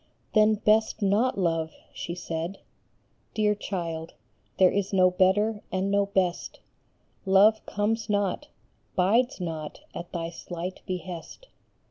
" Then best not love," she said. Dear child, there is no better and no best ; Love comes not, bides not at thy slight behest.